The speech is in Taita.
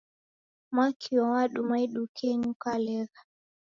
Mwakio wadumwa idukenyii ukalegha